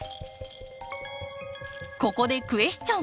ここでクエスチョン！